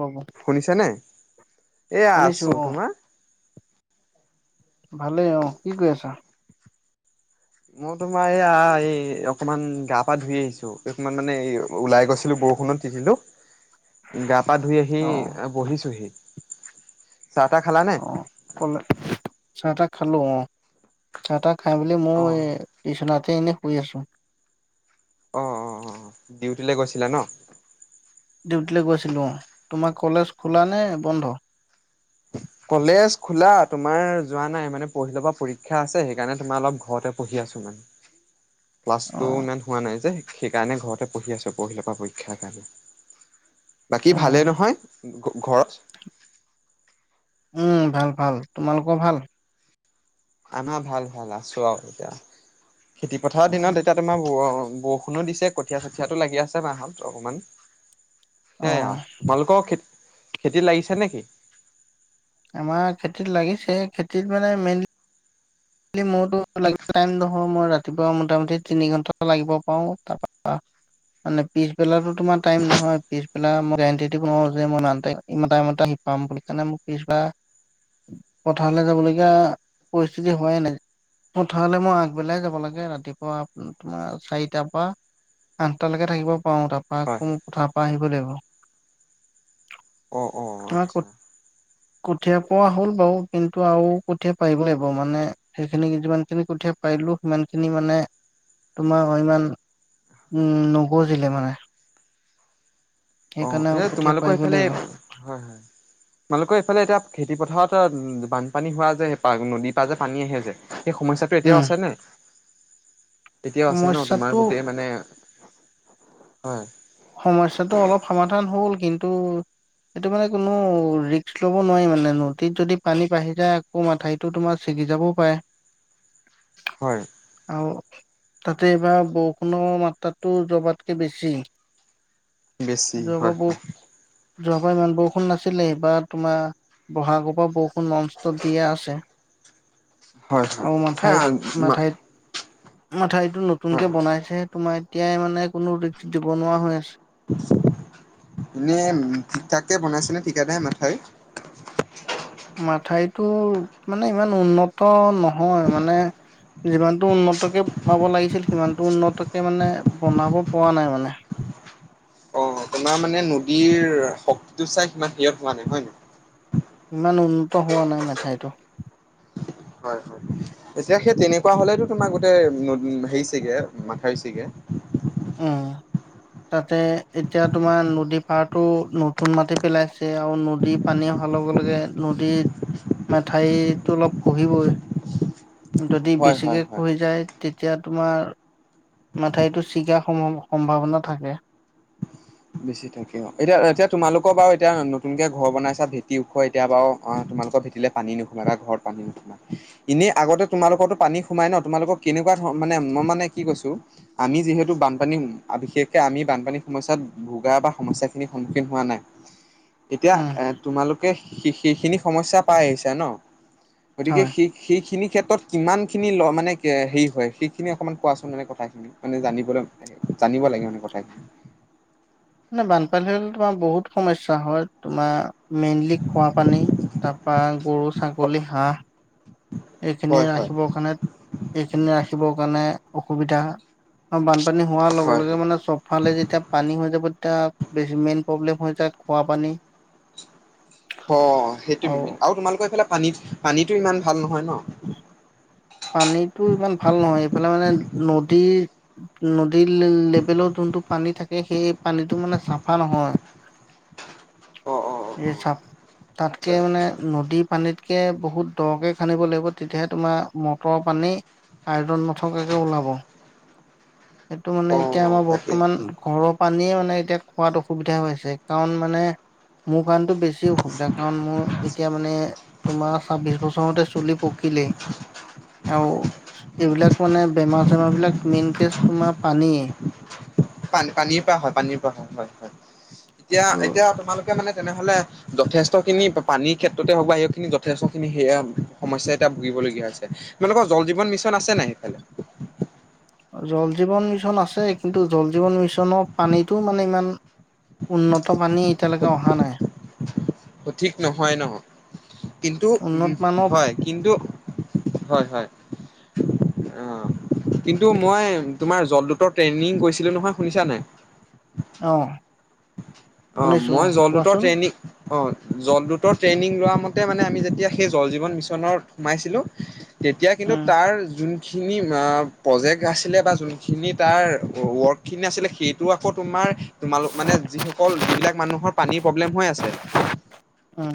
পাব শুনিছানে এয়া শুনিছো আছো অ তোমাৰ। ভালেই অ কি কৰি আছা। মই তোমাৰ এইয়া এই অকমান গা পা ধুই আহিছো অকমান মানে ওলাই গৈছিলো বৰষুণত তিতিলো। গা পা ধুই আহি অ বহিছোহি। চাহ তাহ খালানে। অ কলে চাহ তাহ খালো অ চাহ তাহ। খাই বুলি মোৰ অ এই টিউচনত। এনে শুই আছো। অ অ অ ডিউটিলৈ গৈছিলা ন। ডিউটিলৈ গৈ আছিলো অ তোমাক। কলেজ খোলা নে বন্ধ। কলেজ খোলা তোমাৰ যোৱা নাই মানে পৰখিলে পৰা পৰীক্ষা আছে সেইকাৰণে তোমাৰ অলপ ঘৰতে পঢ়ি আছো মানে। ক্লাছ অ টো ইমান হোৱা নাই যে। সেইকাৰণে ঘৰতে পঢ়ি আছো পৰা পৰীক্ষাৰ কাৰণে। বাকী অ ভালে নহয়। ঘৰত। উম ভাল-ভাল তোমালোকেও ভাল। আনা ভাল-ভাল আছোঁ আৰু । খেতি পথাৰৰ অ দিনত এতিয়া তোমাৰ । দিছে কঠীয়া-চঠীয়াটো লাগি আছে মাহঁত অকমান। অ সেয়া তোমালোকৰ । খেতি লাগিছে নেকি। আমাৰ খেতিত লাগিছে খেতিত মানে মেইনলি। [inaudible] টাইম নহয় মই ৰাতিপুৱা মোটামুটি তিনি ঘণ্টা লাগিব পাৰো তাৰ মানে পিছবেলা তোমাৰ টাইম নহয় পিছবেলা মই গেৰাণ্টি দিব নোৱাৰো যে মই ইমান । হোৱাই নাই পথাৰলৈ মই আগবেলাই যাব লাগে ৰাতিপুৱা তোমাৰ চাৰিটা পৰা আঠলেকে থাকিব পাৰো হয় তাৰ পৰা আহিব লাগিব। অ অ আমাৰ আচ্ছা। কঠীয়া পোৱা হ'ল বাৰু কিন্তু আৰু কঠীয়া পাৰিব লাগিব। মানে সেইখিনি যিমান খিনি কঠিয়ী পাৰিলো সিমান খিনি মানে তোমাৰ ইমান নগজিলে মানে। অ সেইকাৰণে আৰু এই কঠীয়া তোমালোকৰ পাৰিব এইফালে লাগিব। হয় হয় তোমালোকৰ এইফালে এতিয়া খেতি পথাৰত। বানপানী হোৱা যে নদীৰ পৰা যে পানী আহে যে সেই সমস্যাটো উম এতিয়াও আছেনে। এতিয়াও আছে ন তোমাৰ সমস্যাটো গোটেই মানে। [unintelligible] সমস্যাটো অলপ সমাধান হ'ল কিন্তু সেইটো মানে কোনো ৰিস্ক লব নোৱাৰি মানে নদীত যদি পানী বাঢ়ি যায় আকৌ মাথাইটো তোমাৰ ছিগি যাবও পাৰে। হয় আহ তাতে এইবাৰ বৰষুণৰ মাত্ৰাটো যোৱাবাৰতকে বেছি বেছি যোৱাবাৰ হয় বৰ যোৱাবাৰ ইমান বৰষুণ নাছিলে ইবাৰ তোমাৰ ব'হাগৰ পৰা বৰষুণ ননষ্টপ দিয়ে আছে হয় হয় । সেই মঠা মাথাইত নতুনকে বনাইছে তোমাৰ এতিয়াই মানে কোনো ৰিস্ক দি বনোৱা হৈ আছে এনেই ঠিক-ঠাকে বনাইছে নে ঠিকেদাৰে সেই মাথাইটো মানে ইমান উন্নত নহয় মানে যিমানটো উন্নতকে বনাব লাগিছিল সিমানটো উন্নতকে মানে বনাব পৰা নাই মানে আপোনাৰ মানে নদীৰ শক্তিটো চাই সিমান সিয়ত হোৱা নাই। হয় নাই? ইমান উন্নত হোৱা নাই মথাইটো হয় হয় এতিয়া সেই তেনেকুৱা হলেতো তোমাক গোটেই হেৰিছেগে মাথাই ছিগে। উ তাতে এতিয়া তোমাৰ নদী পাৰতটো নতুন মাটি পেলাইছে আৰু নদী পানী অহাৰ লগে লগে নদীত মেঠাইতটো অলপ খহিবই যদি হয় হয় বেছিকে হয় খহি যায় তেতিয়া তোমাৰ মাথাইতো চিগা সম্ভাৱনা থাকে বেছি থাকে অ এতিয়া এতিয়া তোমালোকৰ বাৰু এতিয়া নতুনকে ঘৰ বনাইছা ভেটি ওখ এতিয়া বাৰু তোমালোকৰ ভেটিলে পানী নোসোমাই বা ঘৰত পানী নোসোমাই । এনেই আগতে তোমালোকৰো পানী সোমাই ন? তোমালোকৰ কেনেকুৱা ধৰ মানে মই মানে কি কৈছো আমি যিহেতু বানপানী বিশেষকে আমি বানপানী সমস্যাত ভোগা বা সমস্যাখিনিৰ সন্মুখীন হোৱা নাই এতিয়া উম এ তোমালোকে সেইখিনি সমস্যা পাই আহিছা ন গতিকে হয় সেই সেইখিনিক ক্ষেত্ৰত কিমান খিনি মানে হেৰি হয় সেইখিনি অকমান কোৱাচোন মানে কথাখিনি মানে জানিবলৈ জানিব লাগে মানে কথাখিনি মানে বানপানী হলে তোমাৰ বহুত সমস্যা হয় তোমাৰ মেইনলি খোৱা পানী তাৰ পৰা গৰু, ছাগলী, হাঁহ এইখিনি হয় হয় ৰাখিব কাৰণে এইখিনি ৰাখিব কাৰণে অসুবিধা বান পানী হোৱাৰ লগে হয় লগে হয়। মানে চপফালে যেতিয়া পানী হৈ যাব তেতিয়া বেছি মেইন প্ৰব্লেম হৈ যায় খোৱা পানী অ সেইটো মেইন আৰু তোমালোকৰ এইফালে পানীত পানীতো ইমান ভাল নহয় ন পানীতো ইমান ভাল নহয় এইফালে মানে নদীৰ নদীৰ লেবেলত যোনটো পানী থাকে সেই পানীটো মানে চাফা নহয় অ অ অ এই অ চাপ তাতকে আচ্ছা মানে নদী পানীতকে বহুত দকে খান্দিব লাগিব তেতিয়াহে তোমাৰ মটৰৰ পানী আইৰণ নথকাকে ওলাব সেইটো মানে অ এতিয়া আমাৰ তাকে বৰ্তমান ঘৰৰ পানীয়ে মানে এতিয়া খোৱাত অসুবিধা হৈছে কাৰণ মানে মোৰ কাৰনেটো বেছি অসুবিধা কাৰণ মোৰ এতিয়া মানে, তোমাৰ ছাব্বিশ বছৰতে চুলি পকিলে, আৰু এইবিলাক মানে বেমাৰ- চেমাৰ বিলাক মেইন কেচ তোমাৰ পানীয়ে, পানীৰ পা হয় পানীৰ পা হয়- হয়- হয় এতিয়া- ত' এতিয়া তোমালোক, এতিয়া মানে তেনেহলে যথেষ্ট খিনি পানীৰ ক্ষেত্ৰতে হওক বা সেইখিনি যথেষ্টখিনি সেয়া সমস্যা এতিয়া ভুগিবলগীয়া হৈছে তোমালোকৰ জল- জীবন -মিছন আছে নাই সেইফালে,? জল- জীৱন -মিছন আছে কিন্তু জল- জীৱন- -মিছনৰ পানীটো মানে ইমান উন্নত, পানী এতিয়ালৈকে অহা নাই, ত, ঠিক নহয় নহ, কিন্তু উন্নত উম, মানৰ হয় কিন্তু হয়, হয়, অ', কিন্তু মই তোমাৰ জলদূতৰ ট্ৰেইনিং কৰিছিলো নহয় শুনিছা নে নাই,? অহ, অহ, মই জলদূতৰ ট্ৰেনিং অ, জলদূতৰ ট্ৰেইনিং লোৱা মতে মানে আমি যেতিয়া সেই জল-জীৱন -মিছনত সোমাইছিলোঁ, তেতিয়া কিন্তু উম তাৰ যোন, খিনি প্ৰজেক্ট আছিলে বা যোনখিনি তাৰ ৱৰ্কখিনি আছিলে সেইটো আকৌ তোমাৰ, তোমালোক মানে যিসকল, অকল যিবিলাক মানুহৰ পানীৰ প্ৰবলেম হৈ আছে, উম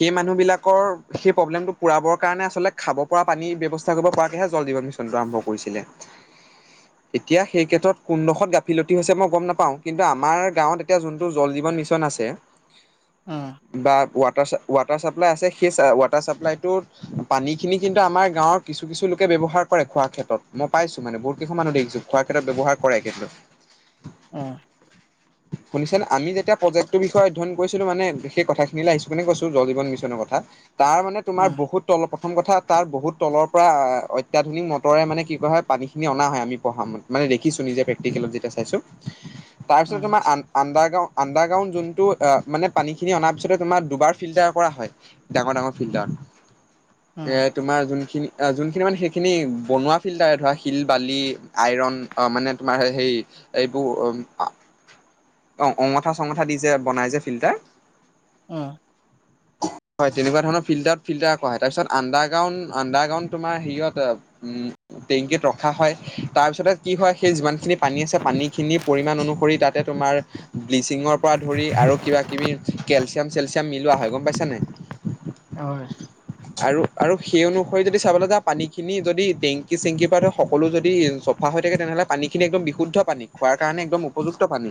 সেই মানুহবিলাকৰ সেই প্ৰব্লেমটো পুৰাবৰ কাৰণে আচলতে খাব পৰা পানীৰ ব্যৱস্থা কৰিব পৰাকেহে জল- জীৱন -মিছনটো আৰম্ভ কৰিছিলে। এতিয়া সেই ক্ষেত্ৰত কোনডোখত গাফিলতি হৈছে মই গম নাপাওঁ, কিন্তু আমাৰ গাঁৱত এতিয়া যোনটো জল- জীৱন- মিছন আছে, উম বা ৱাট, ৱাটাৰ ছাপ, ৱাটাৰ চাপ্লাই আছে সেই ৱাটাৰ চাপ্লাইটোত পানীখিনি কিন্তু আমাৰ গাঁৱৰ কিছু-কিছু লোকে ব্যৱহাৰ কৰে খোৱাৰ ক্ষেত্ৰত, মই পাইছো মানে বহুত কেইুমান মানুহ দেখিছো খোৱাৰ ক্ষেত্ৰত ব্যৱহাৰ কৰে কিন্তু। উম, শুনিছেনে, আমি যেতিয়া প্ৰজেক্টটোৰ বিষয়ে অধ্যয়ন কৰিছিলো মানে সেই কথাখিনি লে আহিছো, শুনি কৈছো জল- জীৱন -মিছনৰ কথা, তাৰ মানে তোমাৰ বহুত তলত, প্ৰথম কথা তাৰ বহুত তলৰ পৰা অত্যাধুনিক মটৰে মানে কি কৰা হয় পানীখিনি অনা হয়, আমি পঢ়া মতে, মানে দেখিছো নিজে প্ৰেক্টিকেলত যেতিয়া চাইছো, তাৰপিছত উম তোমাৰ আ-আন্দাৰ, আন্দাৰগ্ৰাউণ্ড যোনটো, অ-মানে পানী খিনি অনাৰ পিছতে তোমাৰ, দুবাৰ ফিল্টাৰ কৰা হয়, ডাঙৰ-ডাঙৰ ফিল্টাৰত। উম এ, তোমাৰ যোন, খিনি অ-যোনখিনি মানে সেইখিনি বনোৱা ফিল্টাৰে ধৰা শিল, বালি, আইৰণ মানে তোমাৰ হেৰী এইবোৰ, অ', অঙঠা-চঙঠা দি যে বনাই যে, ফিল্টাৰ উম, হয়, তেনেকুৱা ধৰণৰ ফিল্টাৰত, ফিল্টাৰ কৰা হয়। তাৰ পিছত আন্দাৰগ্ৰাউণ্ড-আন্দাৰগ্ৰাউণ্ড তোমাৰ হেৰিয়ত, অপ-উম, টেংকিত ৰখা হয়। তাৰ পিছতে কি হয়, সেই যিমানখিনি পানী আছে, পানীখিনি পৰিমান অনুসৰি তাতে তোমাৰ, [unintelligible] ব্লিচিঙৰ পৰা ধৰি আৰু কিবা-কিবি, কেলচি, চিয়াম-চেলচিয়াম মিলোৱা হয়, গম পাইছা নাই? হয়। আৰু আৰু সেই অনুসৰি যদি চাবলৈ যাওঁ, পানীখিনি যদি টেংকি-চেংকিৰ পৰা সকলো যদি চফা হৈ থাকে, তেনেহ'লে পানীখিনি একদম বিশুদ্ধ পানী, খোৱাৰ কাৰণে একদম উপযুক্ত পানী।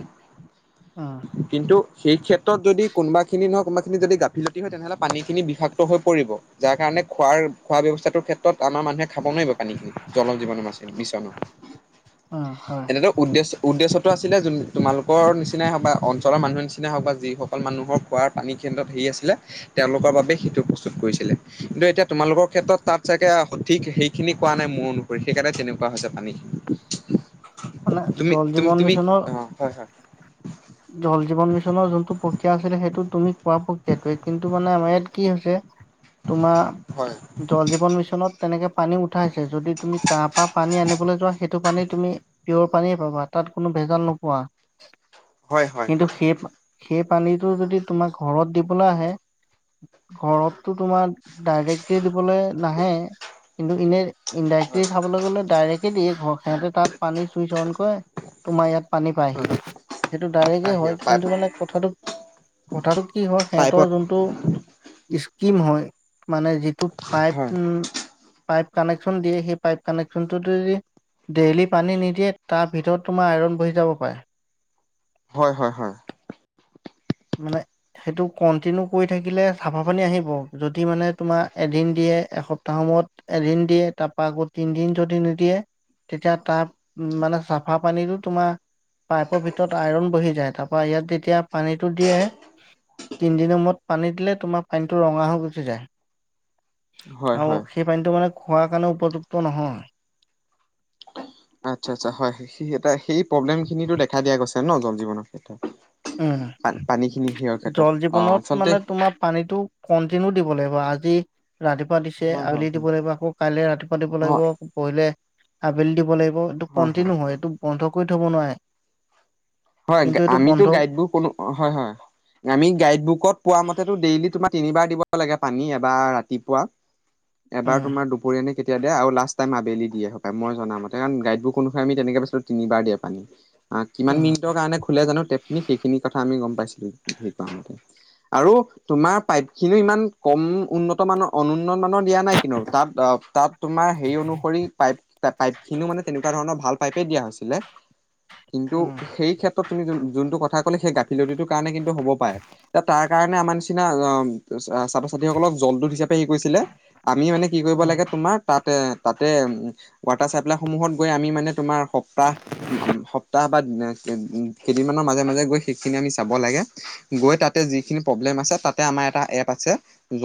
উম কিন্তু, সেই ক্ষেত্ৰত যদি কোনোবাখিনি নহয় কোনোবাখিনি যদি গাফিলতি হয় তেনেহ'লে পানীখিনি বিষাক্ত হৈ পৰিব, যাৰ কাৰণে খোৱাৰ-খোৱা ব্যয়ৱস্থাটোৰ ক্ষেত্ৰত আমাৰ মানুহে খাব নোৱাৰিব পানীখিনি জল জীৱনৰ মাচ-মিচনৰ। উম হয় এনেতো উদ্দেশ্য উদ্দেশ্যটো আছিলে জোন-তোমালোক নিচি নিচিনাই হওঁক বা অঞ্চলৰ মানুহৰ নিচিনাই হওক বা যিসকল মানুহৰ খোৱাৰ পানী কেন্দ্ৰত হেৰি আছিলে, তেওঁলোকৰ বাবোবেই সেইটো প্ৰস্তুত কৰিছিলে, কিন্তু এতিয়া তোমালোকৰ ক্ষেত্ৰত তাত চাগে সঠিক সেইখিনি কোৱা নাই, মোৰ অনুসৰি সেইকাৰণে তেনেকুৱা হৈছে পানীখিনি। মানে জল জীৱন তুমি-তুমি-তুমি মিছনৰ অ', হয়-হয়। জল জীৱন মিছনৰ যোনটো প্ৰক্ৰিয়া আছিলে সেইটো তুমি কোৱা প্ৰক্ৰিয়াতোৱে, কিন্তু মানে আমাৰ ইয়াত কি হৈছে তোমাৰ, জল জীৱন মিছনত তেনেকে পানী উঠাইছে যদি তুমি তাৰ পৰা পানী আনিবলৈ যোৱা সেইটো পানী তুমি পিয়ৰ পানীয়ে পাবা তাত কোনো ভেজাল নোপোৱা। হয়, হয়, কিন্তু হয়। সেই সেই পানীটো যদি তোমাক ঘৰত দিবলৈ আহে, ঘৰততটো তোমাৰ ডাইৰেক্টকে দিবলৈ নাহে, কিন্তু ইনে হয় ইনডাইৰেকটলি খাবলৈ গ'লে ডাইৰেক্ট দিয়ে ঘৰ সিহঁৰ তাত পানী ছুইচ অন তোমাৰ ইয়াত পানী পাই আহি হয় সেইটো ডাইৰেক্টয়ে হয় কিন্তু মানে কথাটো কথাটো কি হয় সিহঁতৰ পাইপত যোনটো ইচ টিম হয় মানে যি তুক পাইপ হয় উম পাইপ কানেকশ্যন দিয়ে সেই পাইপ কানেকশ্যনটো যদি ডেইলী পানী নিদিয়ে তাৰ ভিতৰত তোমাৰ আইৰণ বহি যাব পাৰে। হয়, হয়, হয়। মানে সেইটো কন্টিনিউ কৰি থাকিলে চাফা পানী আহিব যদি মানে তোমাৰ এদিন দিয়ে এসপ্তাহ মূৰত এদিন দিয়ে তাৰপা আকৌ তিনদিন যদি নিদিয়ে তেতিয়া তাত মানে চাফা পানীটো তোমাৰ পাইপৰ ভিতৰত অইৰণ বহি যায় তাৰপা ইয়াত তেতিয়া পানী টো দিয়ে তিনিদিনৰ মূৰত পানী দিলে তোমাৰ পানীটো ৰঙা হৈ গুছি যায়। হয় হয় আৰু সেই পানীটো মানে খোৱাৰ কাৰণে উপযুক্ত নহয়। আচ্ছা, আচ্ছা হয় সেই সেই প্ৰব্লেমখিনিতো দেখা দিয়া গৈছে ন' জল জীৱনৰ ক্ষেত্ৰত। উম, পা পানী খিনি সেয়ৰ ক্ষেত্ৰত জল অ জীৱনত আচলতে মানে তোমাৰ পানীতটো কন্টিনিউ দিব লাগিব। আজি ৰাতিপুৱা দিছে হয় হয় আৱেলি হয় দিব লাগিব আকৌ কাইলে ৰাতিপুৱা দিব অ লাগিব পৰিলে আবেলি দিব লাগিব এইটো কটিনউ হয় এইটো বন্ধ কৰি থ'ব নোৱাৰে। হয় কিন্তু এইটো আমিতো বন্ধ গাইড বুক কোনো, হয়, হয় আমি গাইড বুকত পোৱা মতে ত' ডেইলী তোমাক তিনিবাৰ দিব লাগে পানী, এবাৰ ৰাতিপুৱা এবাৰ উম, তোমাৰ দুপৰীয়া নে কেতিয়া দিয়ে আৰু লাষ্ট টাইম আবেলি দিয়ে, মই জনামতে কাৰণ গাইডবোৰক অনুসৰি আমি তেনেকে পাইছিলো তিনিবাৰ দিয়ে পানী অ', কিমান মি উম, কাৰণে খুলে জানো তেক সেইখিনি কথা গম পাইছিল হেইকাৰণতে আৰু তোমাৰ পাইপ খিনি ইমান কম উন্নত মানৰ অনু উন্নত মানৰ দিয়া নাই কিন্তু তাত অ', তাত তোমাৰ হেৰি অনুসৰি পাইপ পাইপ খিনিও মানে তেনেকুৱা ধৰণৰ ভাল পাইপে দিয়া হৈছিলে। কিন্তু উম, এইটো ক্ষেত্ৰত তুমি যোনতো কথা ক'লে সেই গাফিলতি টোৰ কাৰণে হ'ব পাৰে তাৰ কাৰণে আমাৰ নিচিনা অ' ছাত্ৰ ছাত্ৰীসকলক জলদূত হিচাপে ই, কৰিছিলে আমি মানে কি কৰিব উম, লাগে তোমাৰ তাতে তাতে ৱাটাৰ চাপ্লাই সমূহত গৈ আমি মানে তোমাৰ সপ্তাহ উমহ সপ্তাহ বাদ নে কেইদিনমানৰ মাজে মাজে গৈ সেইখিনি আমি চাব লাগে গৈ তাতে যিখিনি প্ৰব্লেম আছে তাতে আমাৰ এটা এপ আছে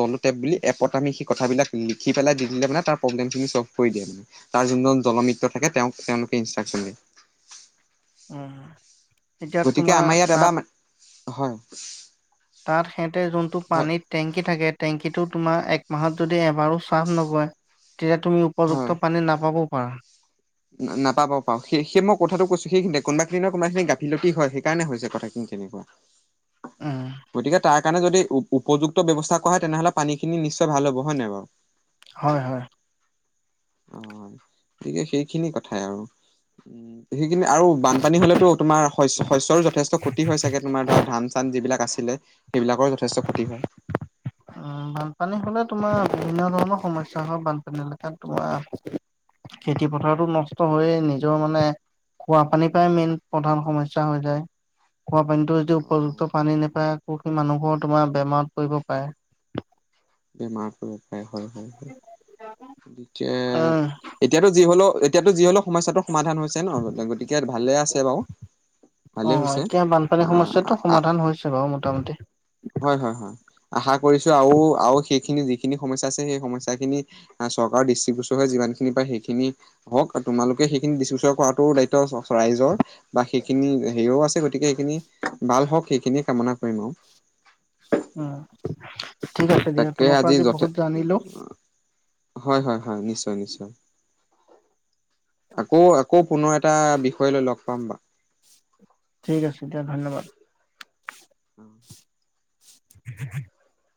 জলো টেপ বুলি এপত আমি সেই কথাবিলাক লিখি পেলাই দি দিলে মানে তাৰ প্ৰব্লেমখিন চল্ভ কৰি দিয়ে মানে তাৰ যোন জলমিত্ৰ থাকে তেওঁক তেওঁলোকে ইনষ্ট্ৰাকন দিয়ে। উমহ। গতিকে আমাৰ ইয়াত এবাৰ হয়। তাত সিহঁতে যোনটো হয় পানীত টেংকী থাকে টেংকীটো তোমাৰ একমাহত যদি এবাৰো চা্ফ নগৰে তেতিয়া তুমি হয় উপযুক্ত পানী নাপাব হয়। নাপাব পাওঁ সেই সেই মই কথাটো কৈছো সেইখিনিতে কোনোবাখিনি নহয় কোনোবাখিনি গাফিলতি হয় সেইকাৰণে হৈছে কথাখিনি তেনেকুৱা উম, গতিকে তাৰ কাৰণে যদি উপযুক্ত ব্যৱস্থা কৰা হয় তেনেহলে পানী খিনি নিশ্চয় ভাল হব হয় নাই বাৰু হয় হয়। অ' গতিকে সেইখিনি কথাই আৰু উ সেইখিনি আৰু বানপানী হলেতো তোমাৰ শ্ শস্যৰো যথেষ্ট ক্ষতি হয় চাগে তোমাৰ ধৰা ধান চান যিবিলাক আছিলে সেইবিলাকৰো যথেষ্ট ক্ষতি হয়। বানপানী হলে তোমাৰ বিভিন্ন ধৰণৰ সমস্যা হয় বানপানী একাত তোমাৰ খেতি পথাৰতো নষ্ট হৈয়ে নিজৰ মানে খোৱা পানীৰ পৰাই মেইন প্ৰধান সমস্যা হৈ যায় খোৱা পানীতো যদি অ উপযুক্ত পানী নেপায় পুখী মানুহৰ তোমাৰ বেমাৰত পৰিব পাৰে বেমাৰ কৰিব পায় হয় হয় হয়। যে, উম, এতিয়াতো যি হ'লেও এতিয়াতো যি হ'লে সমস্যাটো সমাধান হৈছে ন, গতিকে ভালে আছে বাউ ভালেই অ', হৈছে এতিয়া বানপানীৰ সমস্যাটো আ সমাধান হৈছে বাৰু মোটামুটি। হয়, হয়, হয় আশা কৰিছোঁ আৰু, আৰু সেইখিনি যিখিনি সমস্যা আছে সেই সমস্যাখিনি চৰকাৰৰ দৃষ্টিগোচৰ হৈ যিমানখিনি পা সেইখিনি হওঁক তোমালোকে সেইখিন দৃষ্টিগোচৰ কৰাটো দায়িত্ব ৰাইজৰ বা সেইখিনি হেয়িও আছে গতিকে সেইখিনি ভাল হওঁক সেইখিনিয়ে কামনা কৰিম আউ উম। ঠিক আছে দিয়া তাকে তোমাৰ পৰা আজি যথে বহুত জানিলো হয়, হয় হয়, নিশ্চয়, নিশ্চয় আকৌ, আকৌ পুনৰ এটা বিষয় লৈ লগ পাম বা ঠিক আছে দিয়া ধন্যবাদ অ [unintelligible]